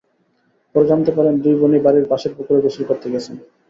পরে জানতে পারেন, দুই বোনই বাড়ির পাশের পুকুরে গোসল করতে গেছেন।